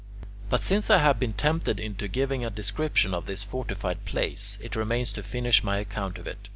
But since I have been tempted into giving a description of this fortified place, it remains to finish my account of it.